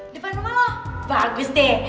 di depan rumah lo bagus deh